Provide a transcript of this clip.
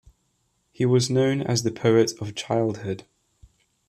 He was known as the poet of childhood.